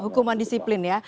hukuman disiplin ya